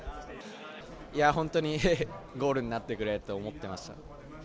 本当にゴールになってくれって思ってました。